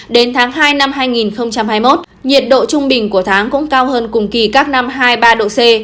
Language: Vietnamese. đến tháng hai năm hai nghìn hai mươi một nhiệt độ trung bình của tháng cũng cao hơn cùng kỳ các năm hai mươi ba độ c